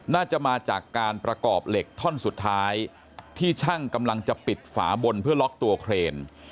น่าจะมาจากการประกอบเหล็กท่อนสุดท้ายที่ช่างกำลังจะปิดฝาบนเพื่อล็อกตัวเครน